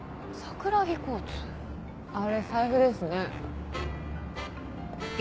あれ財布ですね。